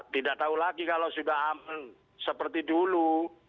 tidak tahu lagi kalau sudah aman seperti dulu